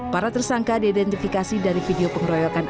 para tersangka diidentifikasi dari video pengeroyokan